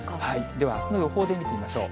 ではあすの予報で見てみましょう。